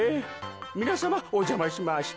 みなさまおじゃましました。